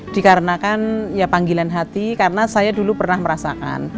dikarenakan ya panggilan hati karena saya dulu pernah merasakan